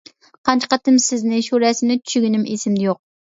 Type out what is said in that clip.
قانچە قېتىم سىزنى، شۇ رەسىمنى چۈشىگىنىم ئېسىمدە يوق.